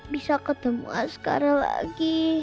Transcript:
bisa ketemu asgara lagi